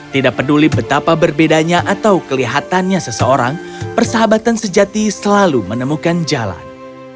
tidak peduli betapa berbedanya atau kelihatannya seseorang persahabatan sejati selalu menemukan jalan